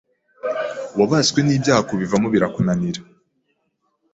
wabaswe n’ibyaha kubivamo birakunanira